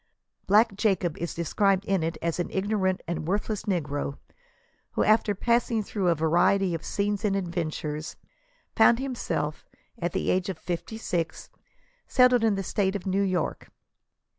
Black Jacob is described in it as an ignorant and worthless negro, who, after passing through a variety of scenes and ad ventures, found himself, at the age of fifty six, settled in the State of New York.